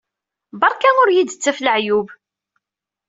Beṛka ur iyi-d-ttaf leɛyub!